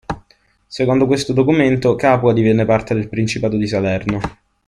Secondo questo documento, Capua divenne parte del principato di Salerno.